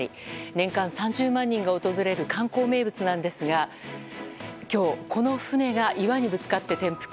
年間３０万人が訪れる観光名物なんですが今日、この船が岩にぶつかって転覆。